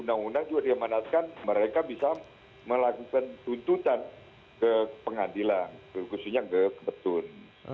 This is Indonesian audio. undang undang juga diamanatkan mereka bisa melakukan tuntutan ke pengadilan khususnya ke ketun